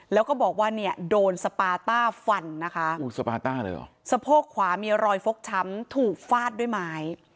แล้วก็บอกว่าโดนสปาต้าฟันสะโพกขวามีรอยฟกช้ำถูกฟาดด้วยไม้